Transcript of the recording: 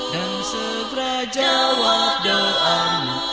dan segera jawab doamu